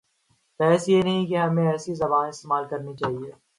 بحث یہ نہیں کہ ہمیں ایسی زبان استعمال کرنی چاہیے۔